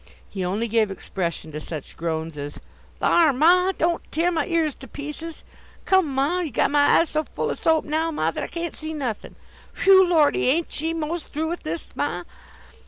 He only gave expression to such groans as: "Thar', ma! don't tear my ears to pieces! Come, ma! you've got my eyes so full o' soap now, ma, that I can't see nothin'. Phew, Lordy! ain't ye most through with this, ma?"